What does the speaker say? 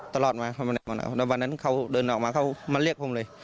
ตลอดมาเขาไม่ได้มองนาเขาแต่วันนั้นเขาเดินออกมาเขามาเรียกผมเลย